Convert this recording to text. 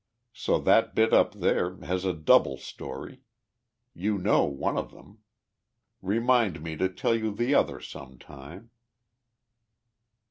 So that bit up there has a double story. You know one of them. Remind me to tell you the other sometime."